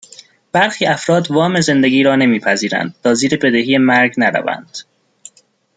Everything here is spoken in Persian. برخی افراد وام زندگی را نمیپذیرند تا زیر بدهی مرگ نروند